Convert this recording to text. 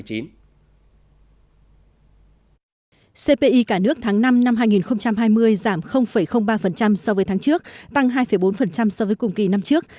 cpi cả nước tháng năm năm hai nghìn hai mươi giảm ba so với tháng trước tăng hai bốn so với cùng kỳ năm trước